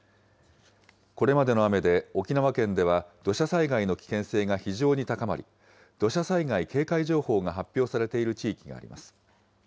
これまでの雨で沖縄県では土砂災害の危険性が非常に高まり、土砂災害警戒情報が発表されている地域があります。